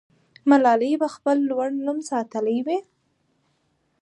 ملالۍ به خپل لوړ نوم ساتلی وي.